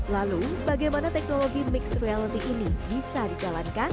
lalu bagaimana teknologi mixed reality ini bisa dijalankan